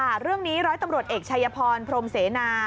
เรื่องนี้ร้อยตำรวจเอกชัยพรพรมเสนา